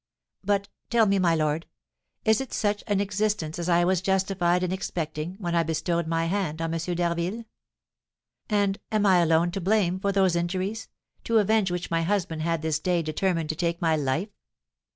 But tell me, my lord, is it such an existence as I was justified in expecting when I bestowed my hand on M. d'Harville? And am I alone to blame for those injuries, to avenge which my husband had this day determined to take my life?